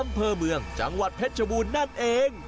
อำเภอเมืองจังหวัดเพชรชบูรณ์นั่นเอง